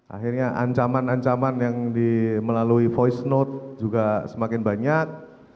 akhirnya ancaman ancaman yang dimelalui voice note juga semakin banyak